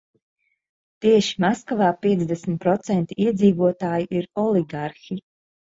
Tieši Maskavā piecdesmit procenti iedzīvotāju ir oligarhi.